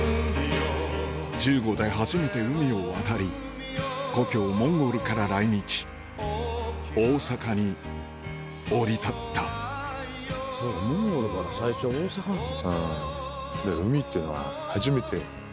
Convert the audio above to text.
１５で初めて海を渡り故郷モンゴルから来日大阪に降り立ったそうかモンゴルから最初大阪なんだ。